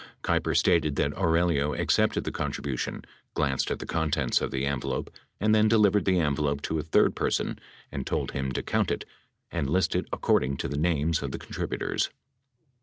Keiper stated that Aurelio accepted the contribution, glanced at the contents of the envelope and then delivered the envelope to a third person and told him to count it and list it according to the names of the con tributors.